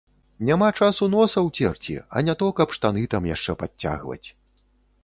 Няма часу носа ўцерці, а не то каб штаны там яшчэ падцягваць.